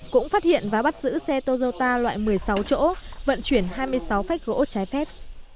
cũng phát hiện và bắt giữ xe toyota loại một mươi sáu chỗ vận chuyển hai mươi sáu phách gỗ trái phép